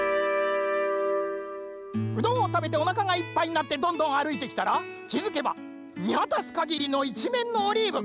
うどんをたべておなかがいっぱいになってどんどんあるいてきたらきづけばみわたすかぎりのいちめんのオリーブ。